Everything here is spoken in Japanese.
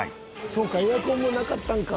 そうかエアコンもなかったんか。